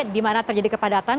dimana terjadi kepadatan